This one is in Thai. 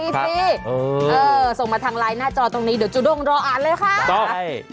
ฟรีสิส่งมาทางไลน์หน้าจอตรงนี้เดี๋ยวจุด่งรออันเลยค่ะค่ะได้